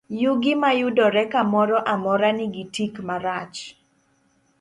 Yugi mayudore kamoro amora, nigi tik marach.